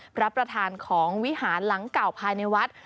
พระประธานของวิหารหลังเก่าภายในวัด